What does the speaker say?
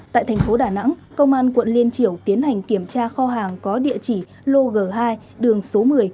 tại tp đà nẵng công an quận liên triểu tiến hành kiểm tra kho hàng có địa chỉ lô g hai đường số một mươi